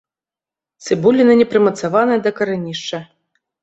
Цыбуліна не прымацаваная да карэнішча.